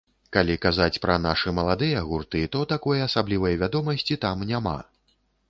Калі казаць пра нашы маладыя гурты, то такой асаблівай вядомасці там няма.